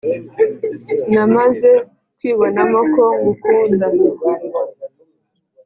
namaze kwibonamo ko ngukunda